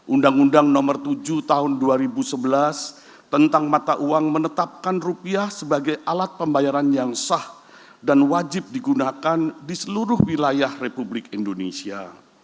undang undang nomor tujuh tahun dua ribu sebelas tentang mata uang menetapkan rupiah sebagai alat pembayaran yang sah dan wajib digunakan di seluruh wilayah republik indonesia